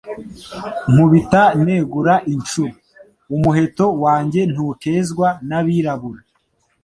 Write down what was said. nkubita negura inshuro, umuheto wanjye ntukezwa n'abirabura.